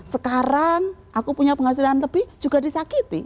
sekarang aku punya penghasilan lebih juga disakiti